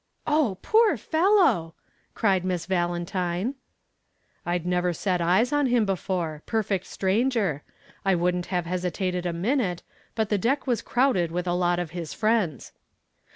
"Oh, the poor fellow," cried Miss Valentine. "I'd never set eyes on him before perfect stranger. I wouldn't have hesitated a minute, but the deck was crowded with a lot of his friends.